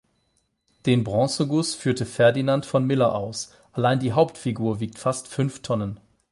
Den Bronzeguss führte Ferdinand von Miller aus; allein die Hauptfigur wiegt fast fünf Tonnen.